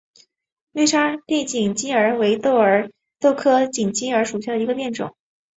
绿沙地锦鸡儿为豆科锦鸡儿属下的一个变种。